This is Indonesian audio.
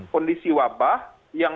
kondisi wabah yang